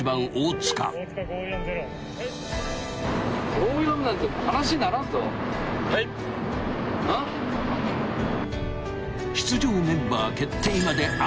［出場メンバー決定まであと４カ月］